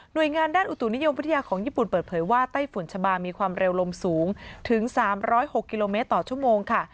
โดยงานด้านอุตุนิยมวิทยาของญี่ปุ่นเปิดเผยว่าไต้ฝุ่นชะบามีความเร็วลมสูงถึง๓๐๖กิโลเมตรต่อชั่วโมงค่ะ